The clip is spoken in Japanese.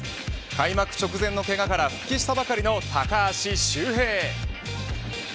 開幕直前のけがから復帰したばかりの高橋周平。